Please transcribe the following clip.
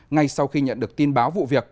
ngay sau khi nhận được tin báo vụ việc